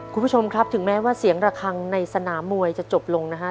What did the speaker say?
คุณผู้ชมครับถึงแม้ว่าเสียงระคังในสนามมวยจะจบลงนะฮะ